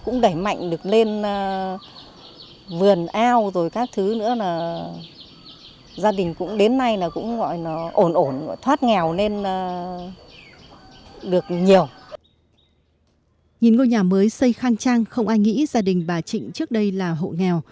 nhìn ngôi nhà mới xây khang trang không ai nghĩ gia đình bà trịnh trước đây là hộ nghèo